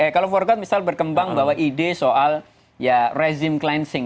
kalau forkot misalnya berkembang bahwa ide soal rezim cleansing